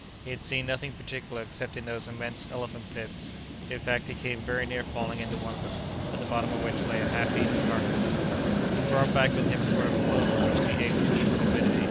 He had seen nothing particular excepting some immense elephant pits. In fact, he came very near falling into one of them, at the bottom of which lay a half eaten carcass. He brought back with him a sort of clover which the apes eat with avidity.